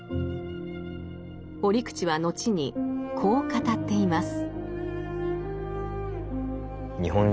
折口は後にこう語っています。